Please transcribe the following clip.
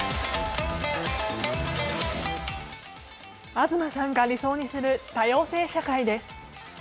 東さんが理想にする多様性社会です。